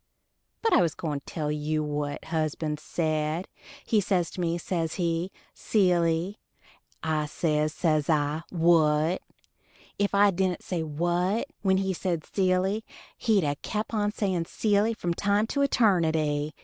But I was going to tell what husband said. He says to me, says he, "Silly"; I says, says I, "What?" If I dident say "what" when he said "Silly" he'd a kept on saying "Silly," from time to eternity.